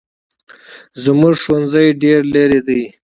زموږ ښوونځی ډېر لري دی